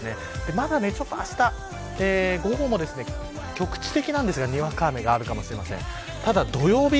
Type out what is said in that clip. まだ、あしたの午後も局地的なんですがにわか雨があるかもしれません。